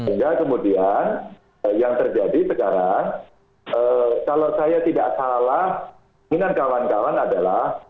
sehingga kemudian yang terjadi sekarang kalau saya tidak salah inginan kawan kawan adalah